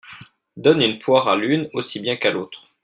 Donne une poire à l'une aussi bien qu'à l'autre.